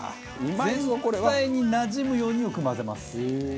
全体になじむようによく混ぜます。